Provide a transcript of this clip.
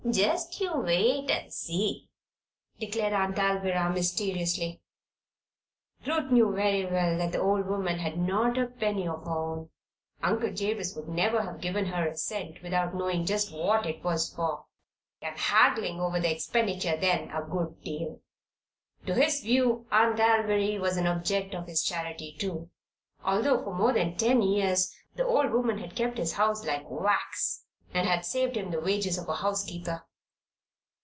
Jest you wait and see," declared Aunt Alvirah, mysteriously. Ruth knew very well that the old woman had not a penny of her own. Uncle Jabez would never have given her a cent without knowing just what it was for, and haggling over the expenditure then, a good deal. To his view, Aunt Alviry was an object of his charity, too, although for more than ten years the old woman had kept his house like wax and had saved him the wages of a housekeeper.